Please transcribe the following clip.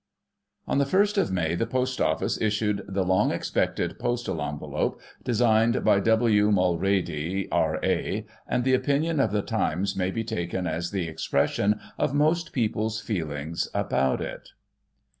On the 1st of May, the Post Office issued the long expected postal envelope designed by W. Mulready, R.A , and the opinion of The Times may be taken as the expression of most people's feelings about it.